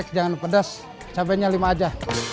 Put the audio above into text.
coba minyak kacang pedas cabainya lima aja